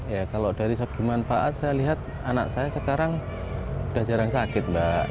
ya kalau dari segi manfaat saya lihat anak saya sekarang sudah jarang sakit mbak